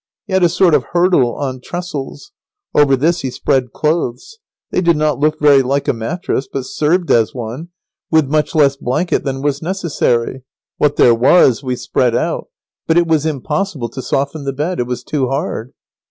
He had a sort of hurdle on trestles. Over this he spread clothes. They did not look very like a mattress, but served as one, with much less blanket than was necessary. What there was we spread out, but it was impossible to soften the bed. It was too hard.